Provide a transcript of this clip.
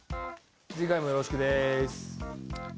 次回もよろしくです。